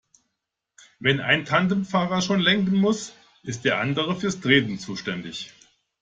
Wenn ein Tandemfahrer schon lenken muss, ist der andere fürs Treten zuständig.